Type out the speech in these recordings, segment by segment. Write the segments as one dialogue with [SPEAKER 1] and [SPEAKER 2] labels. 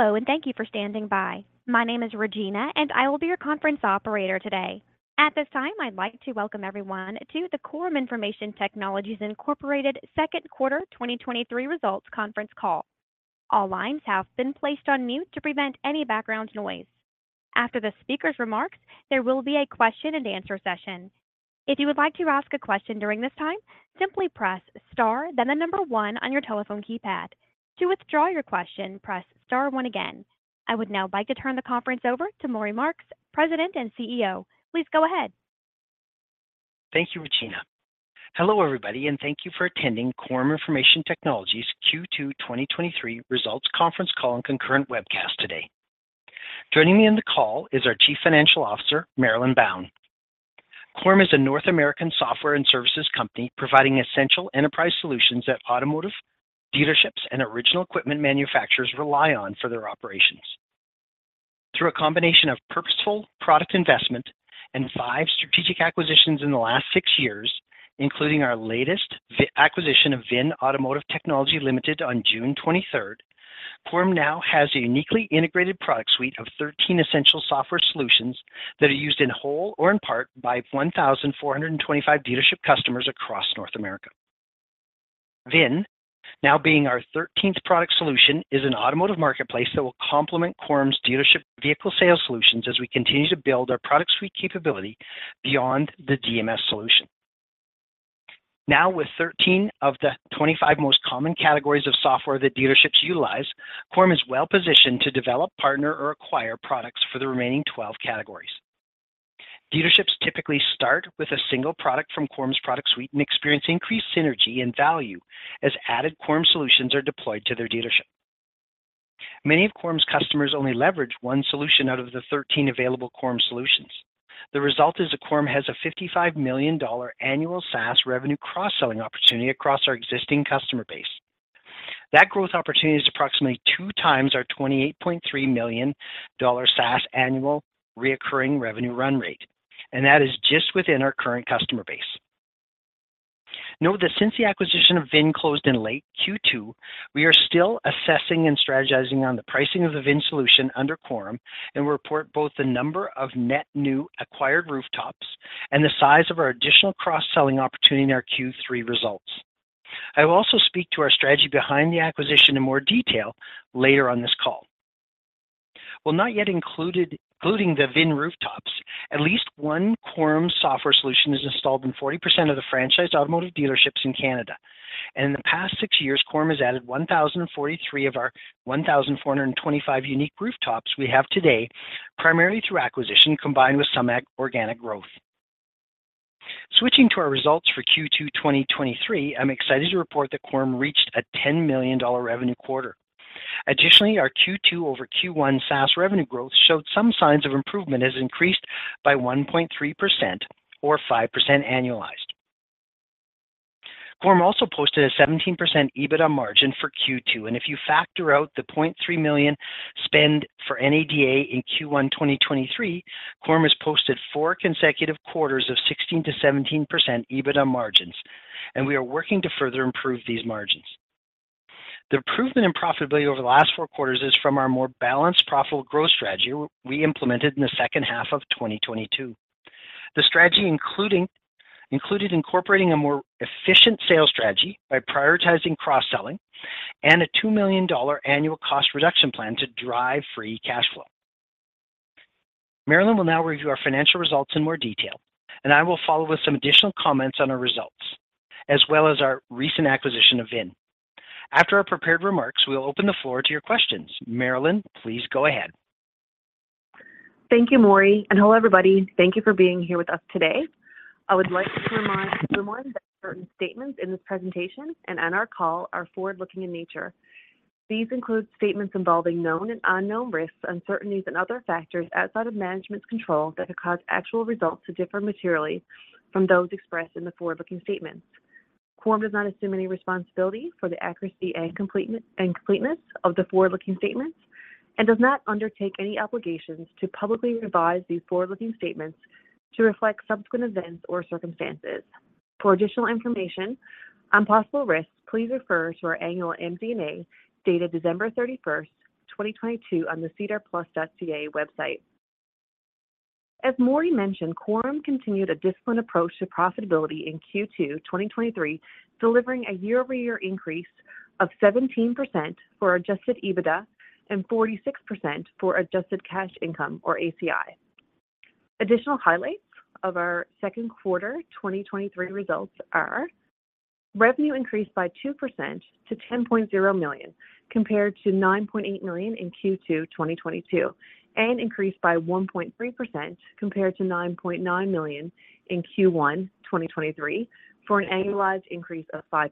[SPEAKER 1] Hello, and thank you for standing by. My name is Regina, and I will be your conference operator today. At this time, I'd like to welcome everyone to the Quorum Information Technologies Incorporated second quarter results conference call. All lines have been placed on mute to prevent any background noise. After the speaker's remarks, there will be a question and answer session. If you would like to ask a question during this time, simply press star, then the number one on your telephone keypad. To withdraw your question, press star one again. I would now like to turn the conference over to Maury Marks, President and CEO. Please go ahead.
[SPEAKER 2] Thank you, Regina. Hello, everybody, and thank you for attending Quorum Information Technologies Q2 2023 Results Conference Call and Concurrent Webcast today. Joining me on the call is our Chief Financial Officer, Marilyn Bown. Quorum is a North American software and services company, providing essential enterprise solutions that automotive dealerships and original equipment manufacturers rely on for their operations. Through a combination of purposeful product investment and 5 strategic acquisitions in the last six years, including our latest VINN acquisition of VINN Automotive Technologies Limited on June 23rd, Quorum now has a uniquely integrated product suite of 13 essential software solutions that are used in whole or in part by 1,425 dealership customers across North America. VINN, now being our 13th product solution, is an automotive marketplace that will complement Quorum's dealership vehicle sales solutions as we continue to build our product suite capability beyond the DMS solution. Now, with 13 of the 25 most common categories of software that dealerships utilize, Quorum is well-positioned to develop, partner, or acquire products for the remaining 12 categories. Dealerships typically start with a single product from Quorum's product suite and experience increased synergy and value as added Quorum solutions are deployed to their dealership. Many of Quorum's customers only leverage 1 solution out of the 13 available Quorum solutions. The result is that Quorum has a $55 million annual SaaS revenue cross-selling opportunity across our existing customer base. That growth opportunity is approximately two times our $28.3 million SaaS annual recurring revenue run rate, and that is just within our current customer base. Note that since the acquisition of VINN closed in late Q2, we are still assessing and strategizing on the pricing of the VINN solution under Quorum, and we report both the number of net new acquired rooftops and the size of our additional cross-selling opportunity in our Q3 results. I will also speak to our strategy behind the acquisition in more detail later on this call. Well, not yet included, including the VINN rooftops, at least one Quorum software solution is installed in 40% of the franchised automotive dealerships in Canada. In the past six years, Quorum has added 1,043 of our 1,425 unique rooftops we have today, primarily through acquisition, combined with some organic growth. Switching to our results for Q2 2023, I'm excited to report that Quorum reached a $10 million revenue quarter. Additionally, our Q2 over Q1 SaaS revenue growth showed some signs of improvement, as increased by 1.3% or 5% annualized. Quorum also posted a 17% EBITDA margin for Q2, and if you factor out the $0.3 million spend for NADA in Q1 2023, Quorum has posted four consecutive quarters of 16%-17% EBITDA margins, and we are working to further improve these margins. The improvement in profitability over the last four quarters is from our more balanced, profitable growth strategy we implemented in the second half of 2022. The strategy included incorporating a more efficient sales strategy by prioritizing cross-selling and a $2 million annual cost reduction plan to drive free cash flow. Marilyn will now review our financial results in more detail, and I will follow with some additional comments on our results, as well as our recent acquisition of VINN. After our prepared remarks, we will open the floor to your questions. Marilyn, please go ahead.
[SPEAKER 3] Thank you, Maury, and hello, everybody. Thank you for being here with us today. I would like to remind that certain statements in this presentation and on our call are forward-looking in nature. These include statements involving known and unknown risks, uncertainties, and other factors outside of management's control that could cause actual results to differ materially from those expressed in the forward-looking statements. Quorum does not assume any responsibility for the accuracy and completeness of the forward-looking statements and does not undertake any obligations to publicly revise these forward-looking statements to reflect subsequent events or circumstances. For additional information on possible risks, please refer to our annual MD&A, dated December 31st, 2022, on the SEDAR+.ca website. As Maury mentioned, Quorum continued a disciplined approach to profitability in Q2 2023, delivering a year-over-year increase of 17% for adjusted EBITDA and 46% for adjusted cash income, or ACI. Additional highlights of our second quarter 2023 results are: revenue increased by 2% to $10.0 million, compared to $9.8 million in Q2 2022, and increased by 1.3% compared to $9.9 million in Q1 2023, for an annualized increase of 5%.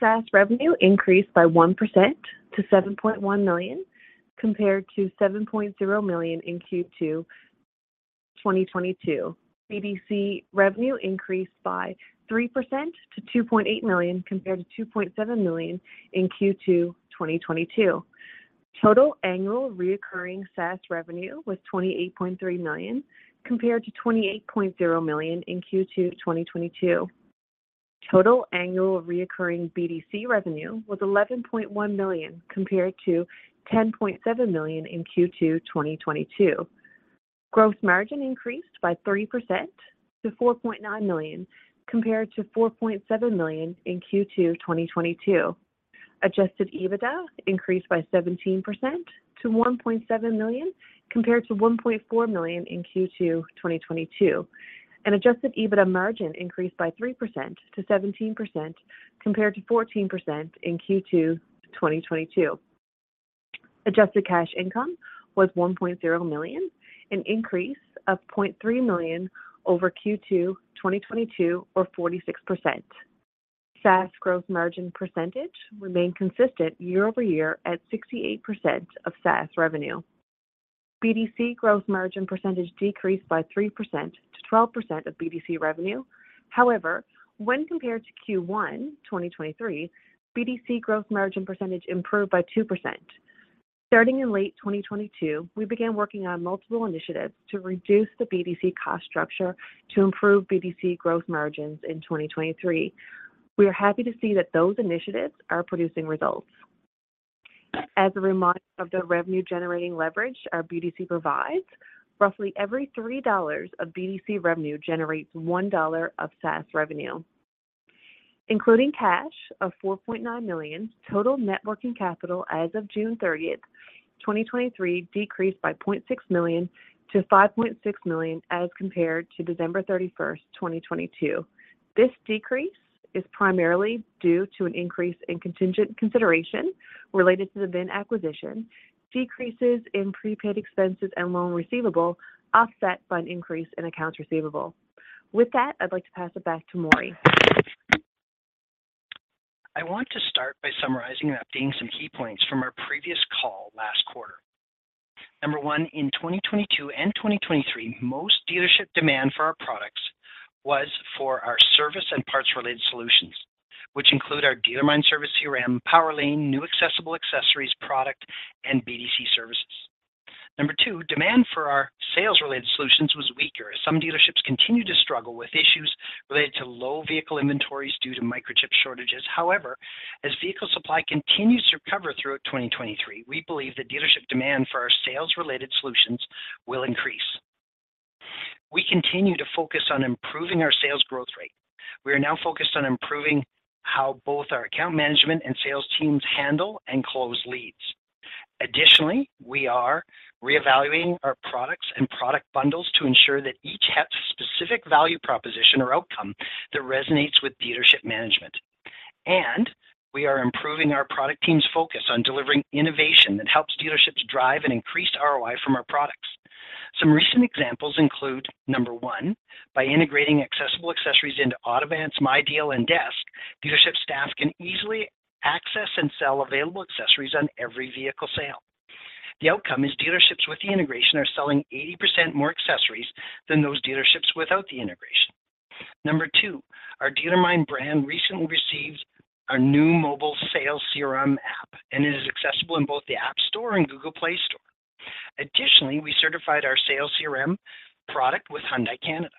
[SPEAKER 3] SaaS revenue increased by 1% to $7.1 million, compared to $7.0 million in Q2 2022. BDC revenue increased by 3% to $2.8 million, compared to $2.7 million in Q2 2022. Total annual recurring SaaS revenue was $28.3 million, compared to $28.0 million in Q2 2022. Total annual recurring BDC revenue was $11.1 million, compared to $10.7 million in Q2 2022. Gross margin increased by 30% to $4.9 million, compared to $4.7 million in Q2 2022. Adjusted EBITDA increased by 17% to $1.7 million, compared to $1.4 million in Q2 2022. Adjusted EBITDA margin increased by 3% to 17%, compared to 14% in Q2 2022. Adjusted cash income was $1.0 million, an increase of $0.3 million over Q2 2022 or 46%. SaaS gross margin percentage remained consistent year-over-year at 68% of SaaS revenue. BDC gross margin percentage decreased by 3% to 12% of BDC revenue. However, when compared to Q1 2023, BDC gross margin percentage improved by 2%. Starting in late 2022, we began working on multiple initiatives to reduce the BDC cost structure to improve BDC gross margins in 2023. We are happy to see that those initiatives are producing results. As a reminder of the revenue-generating leverage our BDC provides, roughly every three dollars of BDC revenue generates one dollar of SaaS revenue. Including cash of $4.9 million, total net working capital as of June 30th, 2023 decreased by $0.6 million to $5.6 million as compared to December 31st, 2022. This decrease is primarily due to an increase in contingent consideration related to the VINN acquisition, decreases in prepaid expenses and loan receivable, offset by an increase in accounts receivable. With that, I'd like to pass it back to Maury.
[SPEAKER 2] I want to start by summarizing and updating some key points from our previous call last quarter. One, in 2022 and 2023, most dealership demand for our products was for our service and parts-related solutions, which include our DealerMine Service CRM, PowerLane, new Accessible Accessories product, and BDC services. Two, demand for our sales-related solutions was weaker, as some dealerships continued to struggle with issues related to low vehicle inventories due to microchip shortages. However, as vehicle supply continues to recover throughout 2023, we believe that dealership demand for our sales-related solutions will increase. We continue to focus on improving our sales growth rate. We are now focused on improving how both our account management and sales teams handle and close leads. Additionally, we are reevaluating our products and product bundles to ensure that each has specific value proposition or outcome that resonates with dealership management. We are improving our product team's focus on delivering innovation that helps dealerships drive an increased ROI from our products. Some recent examples include, One, by integrating Accessible Accessories into Autovance's MyDeal and Desk, dealership staff can easily access and sell available accessories on every vehicle sale. The outcome is dealerships with the integration are selling 80% more accessories than those dealerships without the integration. Two, our DealerMine brand recently received a new mobile sales CRM app, and it is accessible in both the App Store and Google Play Store. Additionally, we certified our sales CRM product with Hyundai Canada.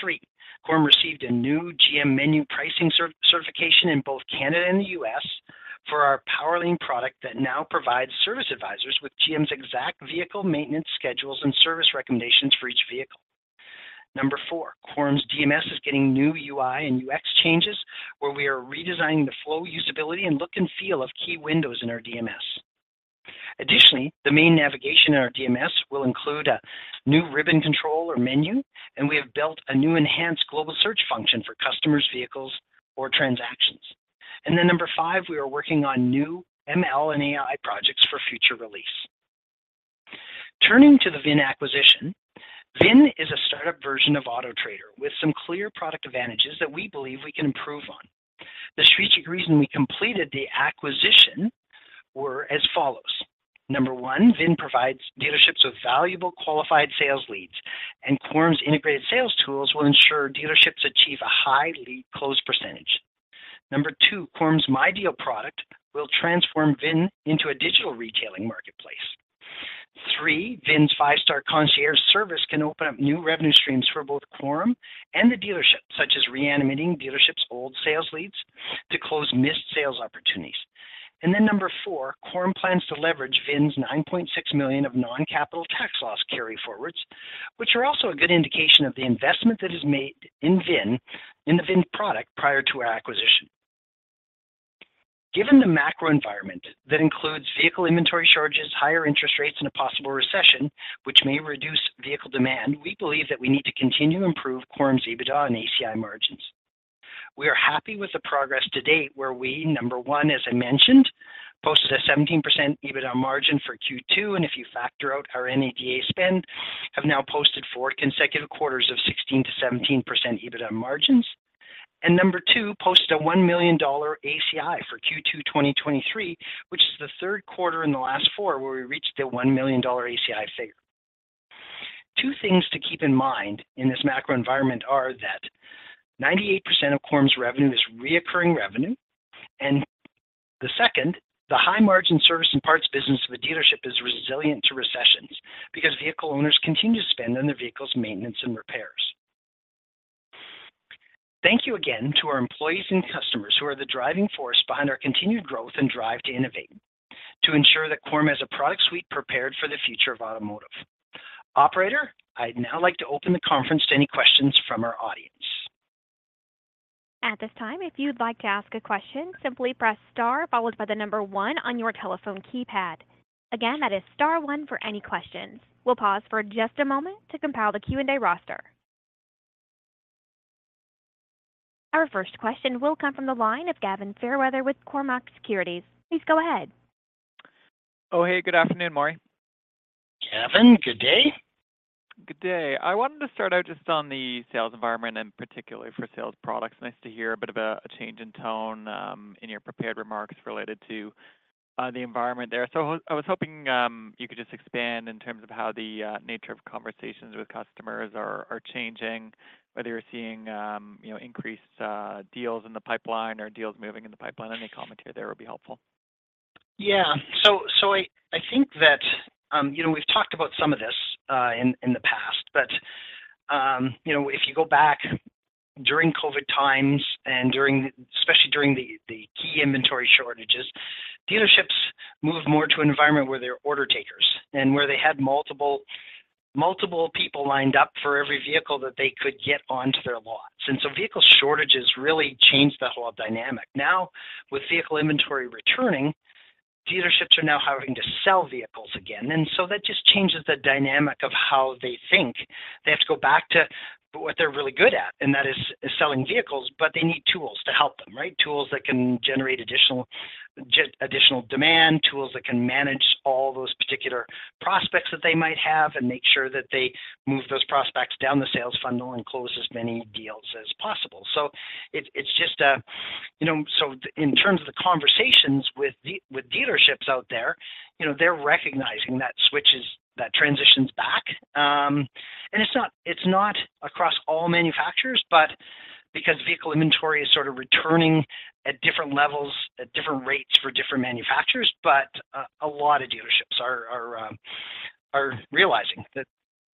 [SPEAKER 2] Three, Quorum received a new GM menu pricing certification in both Canada and the US for our PowerLane product that now provides service advisors with GM's exact vehicle maintenance schedules and service recommendations for each vehicle. Number four, Quorum's DMS is getting new UI and UX changes, where we are redesigning the flow, usability, and look and feel of key windows in our DMS. Additionally, the main navigation in our DMS will include a new ribbon control or menu, and we have built a new enhanced global search function for customers, vehicles, or transactions. Then number five, we are working on new ML and AI projects for future release. Turning to the VINN acquisition, VINN is a startup version of AutoTrader with some clear product advantages that we believe we can improve on. The strategic reason we completed the acquisition were as follows: number one, VINN provides dealerships with valuable qualified sales leads, and Quorum's integrated sales tools will ensure dealerships achieve a high lead close percentage. Number two, Quorum's MyDeal product will transform VINN into a digital retailing marketplace. Three, VINN's five-star concierge service can open up new revenue streams for both Quorum and the dealership, such as reanimating dealerships' old sales leads to close missed sales opportunities. Then four, Quorum plans to leverage VINN's 9.6 million of non-capital tax loss carryforwards, which are also a good indication of the investment that is made in VINN, in the VINN product prior to our acquisition. Given the macro environment, that includes vehicle inventory shortages, higher interest rates, and a possible recession, which may reduce vehicle demand, we believe that we need to continue to improve Quorum's EBITDA and ACI margins. We are happy with the progress to date, where we, no. 1, as I mentioned, posted a 17% EBITDA margin for Q2, and if you factor out our NADA spend, have now posted four consecutive quarters of 16%-17% EBITDA margins. And number two, posted a $1 million ACI for Q2 2023, which is the third quarter in the last four, where we reached a $1 million ACI figure. Two things to keep in mind in this macro environment are that 98% of Quorum's revenue is recurring revenue, and the second, the high-margin service and parts business of a dealership is resilient to recessions, because vehicle owners continue to spend on their vehicle's maintenance and repairs. Thank you again to our employees and customers who are the driving force behind our continued growth and drive to innovate, to ensure that Quorum has a product suite prepared for the future of automotive. Operator, I'd now like to open the conference to any questions from our audience.
[SPEAKER 1] At this time, if you'd like to ask a question, simply press star, followed by the number 1 on your telephone keypad. Again, that is star one for any questions. We'll pause for just a moment to compile the Q&A roster. Our first question will come from the line of Gavin Fairweather with Cormark Securities. Please go ahead.
[SPEAKER 4] Oh, hey, good afternoon, Maury.
[SPEAKER 2] Gavin, good day.
[SPEAKER 4] Good day. I wanted to start out just on the sales environment, and particularly for sales products. Nice to hear a bit of a change in tone in your prepared remarks related to the environment there. So I was hoping you could just expand in terms of how the nature of conversations with customers are changing, whether you're seeing, you know, increased deals in the pipeline or deals moving in the pipeline. Any comment here there would be helpful.
[SPEAKER 2] Yeah. So, I think that, you know, we've talked about some of this in the past, but, you know, if you go back during COVID times and during, especially during the key inventory shortages, dealerships moved more to an environment where they're order takers, and where they had multiple people lined up for every vehicle that they could get onto their lots. And so vehicle shortages really changed the whole dynamic. Now, with vehicle inventory returning, dealerships are now having to sell vehicles again, and so that just changes the dynamic of how they think. They have to go back to what they're really good at, and that is selling vehicles, but they need tools to help them, right? Tools that can generate additional demand, tools that can manage all those particular prospects that they might have, and make sure that they move those prospects down the sales funnel and close as many deals as possible. So it's, it's just a, you know. So in terms of the conversations with dealerships out there, you know, they're recognizing that switches, that transitions back. And it's not, it's not across all manufacturers, but because vehicle inventory is sort of returning at different levels, at different rates for different manufacturers, but a lot of dealerships are realizing that,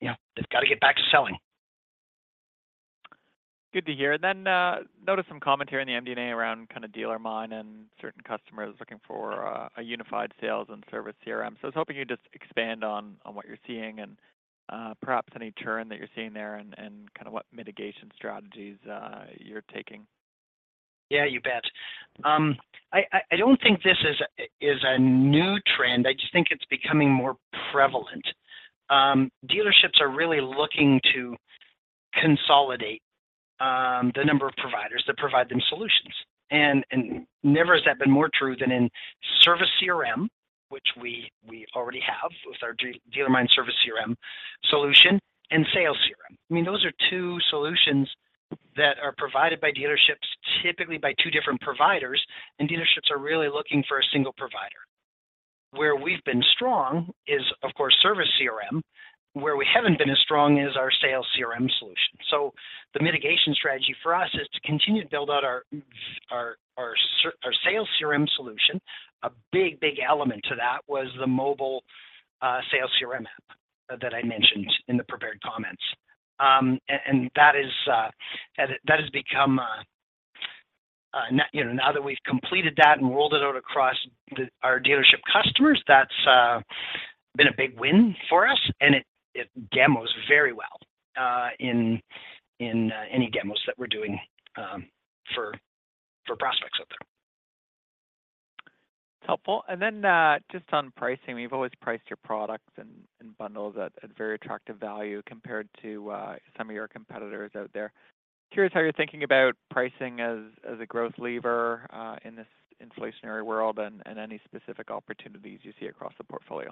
[SPEAKER 2] you know, they've got to get back to selling.
[SPEAKER 4] Good to hear. Then, noticed some commentary in the MD&A around kind of DealerMine and certain customers looking for a unified sales and service CRM. So I was hoping you'd just expand on what you're seeing and perhaps any churn that you're seeing there and kind of what mitigation strategies you're taking.
[SPEAKER 2] Yeah, you bet. I don't think this is a new trend. I just think it's becoming more prevalent. Dealerships are really looking to consolidate the number of providers that provide them solutions, and never has that been more true than in service CRM, which we already have with our DealerMine Service CRM solution and sales CRM. I mean, those are two solutions that are provided by dealerships, typically by two different providers, and dealerships are really looking for a single provider. Where we've been strong is, of course, service CRM, where we haven't been as strong is our sales CRM solution. So the mitigation strategy for us is to continue to build out our sales CRM solution. A big, big element to that was the mobile sales CRM app that I mentioned in the prepared comments. And that is, that has become now, you know, now that we've completed that and rolled it out across our dealership customers, that's been a big win for us, and it demos very well in any demos that we're doing for prospects out there.
[SPEAKER 4] Helpful. And then, just on pricing, you've always priced your products and bundles at very attractive value compared to some of your competitors out there. Curious how you're thinking about pricing as a growth lever in this inflationary world and any specific opportunities you see across the portfolio.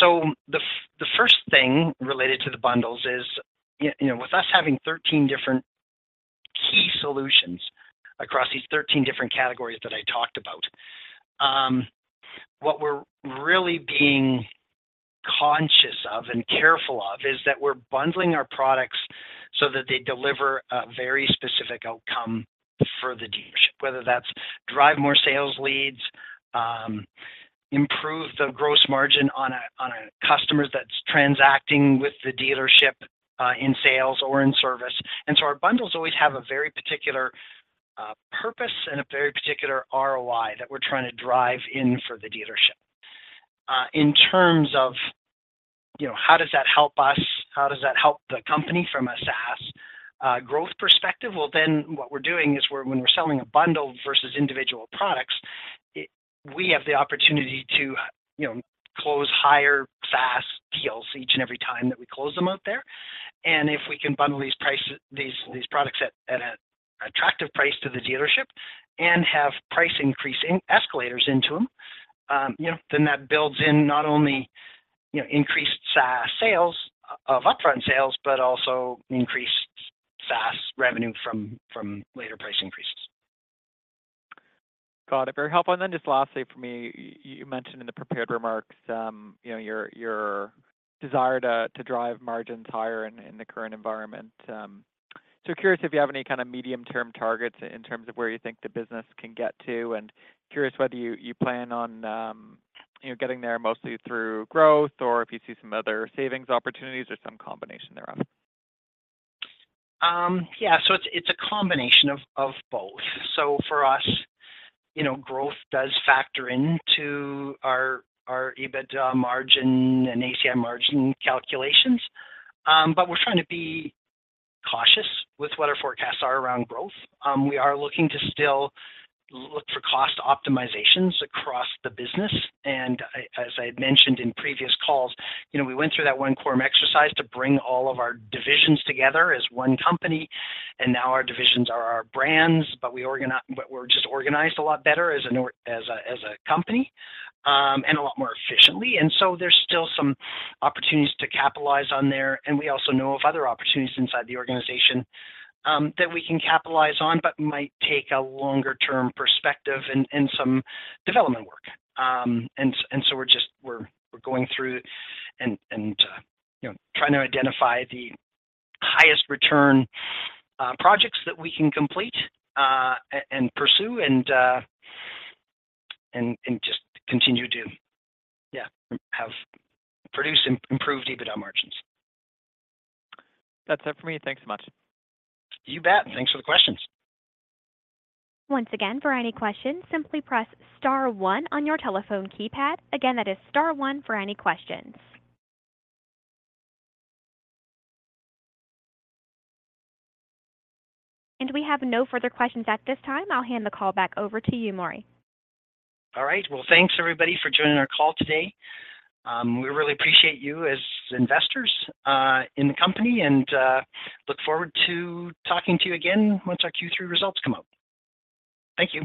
[SPEAKER 2] So the first thing related to the bundles is, you know, with us having 13 different key solutions across these 13 different categories that I talked about, what we're really being conscious of and careful of is that we're bundling our products so that they deliver a very specific outcome for the dealership, whether that's drive more sales leads, improve the gross margin on a customer that's transacting with the dealership, in sales or in service. And so our bundles always have a very particular purpose and a very particular ROI that we're trying to drive in for the dealership. In terms of, you know, how does that help us? How does that help the company from a SaaS growth perspective? Well, then, what we're doing is we're, when we're selling a bundle versus individual products, we have the opportunity to, you know, close higher SaaS deals each and every time that we close them out there. And if we can bundle these prices, these products at an attractive price to the dealership and have price increase in escalators into them, you know, then that builds in not only, you know, increased SaaS sales of upfront sales, but also increased SaaS revenue from later price increases.
[SPEAKER 4] Got it. Very helpful. And then just lastly for me, you mentioned in the prepared remarks, you know, your desire to drive margins higher in the current environment. So curious if you have any kind of medium-term targets in terms of where you think the business can get to? And curious whether you plan on, you know, getting there mostly through growth, or if you see some other savings opportunities or some combination thereof.
[SPEAKER 2] Yeah, so it's a combination of both. So for us, you know, growth does factor into our EBITDA margin and ACI margin calculations. But we're trying to be cautious with what our forecasts are around growth. We are looking to still look for cost optimizations across the business. And I, as I had mentioned in previous calls, you know, we went through that One Quorum exercise to bring all of our divisions together as one company, and now our divisions are our brands, but we're just organized a lot better as a company, and a lot more efficiently. And so there's still some opportunities to capitalize on there, and we also know of other opportunities inside the organization, that we can capitalize on, but might take a longer-term perspective and some development work. So we're just going through and you know trying to identify the highest return projects that we can complete and pursue and just continue to yeah have produce improved EBITDA margins.
[SPEAKER 4] That's it for me. Thanks so much.
[SPEAKER 2] You bet. Thanks for the questions.
[SPEAKER 1] Once again, for any questions, simply press star one on your telephone keypad. Again, that is star one for any questions. We have no further questions at this time. I'll hand the call back over to you, Maury.
[SPEAKER 2] All right. Well, thanks everybody for joining our call today. We really appreciate you as investors in the company, and look forward to talking to you again once our Q3 results come out. Thank you.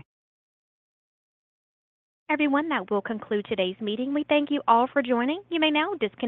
[SPEAKER 1] Everyone, that will conclude today's meeting. We thank you all for joining. You may now disconnect.